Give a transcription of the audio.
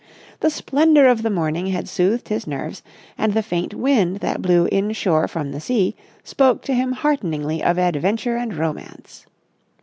The splendour of the morning had soothed his nerves, and the faint wind that blew inshore from the sea spoke to him hearteningly of adventure and romance.